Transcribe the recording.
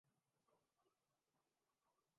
اس کا فیصلہ سب صوبوں کے نمائندوں کو مل کر نا ہے۔